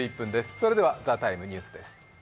それでは「ＴＨＥＴＩＭＥ，」ニュースです